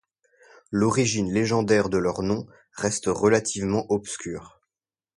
L'origine légendaire de leur nom reste relativement obscure.